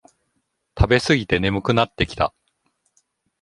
食べすぎて眠くなってきた